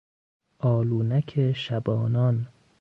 آلونک شبانان